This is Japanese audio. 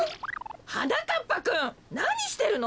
はなかっぱくんなにしてるの！？